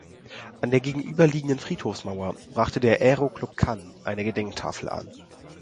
An der gegenüberliegenden Friedhofsmauer brachte der Aeroclub Cannes eine Gedenktafel an.